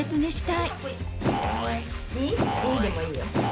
「イー」でもいいよ。